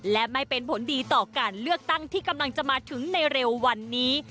และไม่เป็นผลดีต่อการเลือกตั้งที่กำลังจะมาถึงในเร็ววันนี้